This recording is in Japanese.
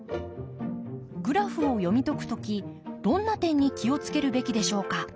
グラフを読み解く時どんな点に気を付けるべきでしょうか？